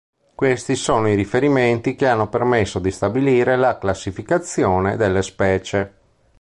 Questi sono i riferimenti che hanno permesso di stabilire la classificazione delle specie.